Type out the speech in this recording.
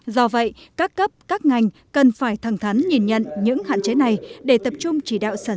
do vậy các cấp các ngành cần phải thẳng thắn nhìn nhận những hạn chế này để tập trung chỉ đạo sản xuất